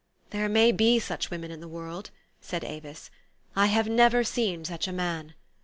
" There may be such women in the world," said Avis :" I have never seen such a man.